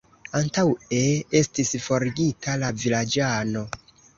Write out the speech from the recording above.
Antaŭe estis forigita la vilaĝano.